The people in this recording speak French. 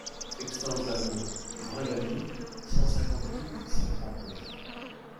Ecstase d’amour vray Laly cent cinquante-huit cent trente-neuf.